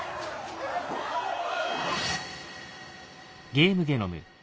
「ゲームゲノム」。